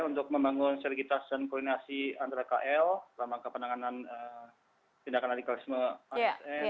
untuk membangun soliditas dan koordinasi antara kl dalam angka penanganan tindakan radikalisme asn